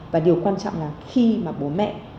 và điều quan trọng là khi mà bố mẹ